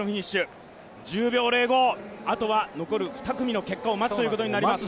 １０秒０５、あとは残る２組の結果を待つことになります。